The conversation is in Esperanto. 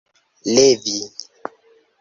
levi